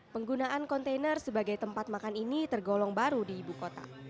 penggunaan kontainer sebagai tempat makan ini tergolong baru di ibu kota